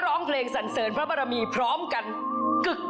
ของท่านได้เสด็จเข้ามาอยู่ในความทรงจำของคน๖๗๐ล้านคนค่ะทุกท่าน